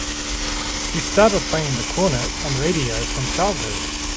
She started playing the cornet on radio from childhood.